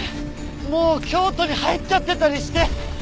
もう京都に入っちゃってたりして！